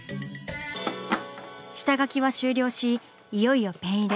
下描きは終了しいよいよペン入れ。